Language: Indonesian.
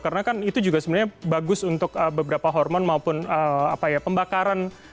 karena kan itu juga sebenarnya bagus untuk beberapa hormon maupun apa ya pembakaran